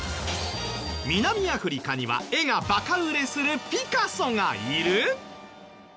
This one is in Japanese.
南アフリカには絵がバカ売れするピカソがいる！？